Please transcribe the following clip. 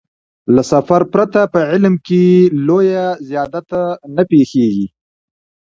له سفر پرته په علم کې لويه زيادت نه پېښېږي.